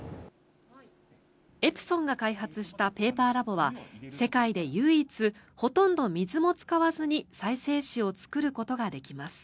エプソンが開発したペーパーラボは世界で唯一ほとんど水も使わずに再生紙を作ることができます。